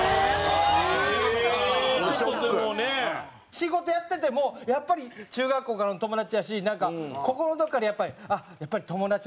仕事やっててもやっぱり中学校からの友達やしなんか心のどこかでやっぱりやっぱり友達の感覚